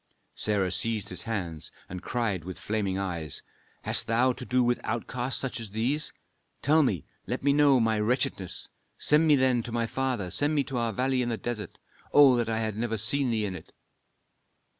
Sarah seized his hands and cried with flaming eyes, "Hast thou to do with outcasts such as these? Tell me let me know my wretchedness; send me then to my father, send me to our valley in the desert. Oh, that I had never seen thee in it!"